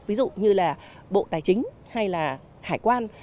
ví dụ như là bộ tài chính hay là hải quan